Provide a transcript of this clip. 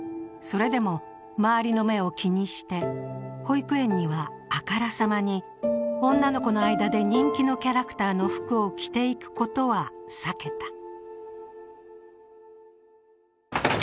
それでも周りの目を気にして、保育園にはあからさまに女の子の間で人気のキャラクターの服を着ていくことは避けた。